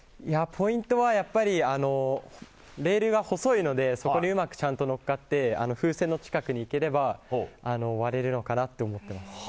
ポイントは、やっぱりレールが細いのでそこにうまくちゃんと乗っかって風船の近くに行ければ割れるのかなって思っています。